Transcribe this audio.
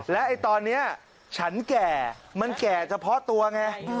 และตอนนี้ฉันแก่มันแก่เฉพาะตัวไง